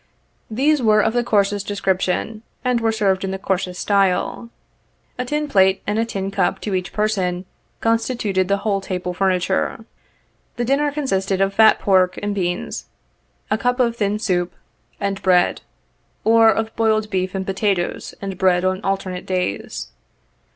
These were of the coarsest description, and were served in the coarsest style. A tin plate and a tin cup to each person constituted the whole table furniture. The dinners consisted of fat pork and beans, a cup of thin soup and bread, or of boiled beef and potatoes and bread on alter nate days.